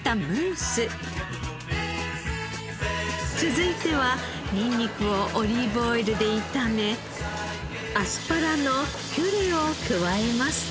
続いてはニンニクをオリーブオイルで炒めアスパラのピュレを加えます。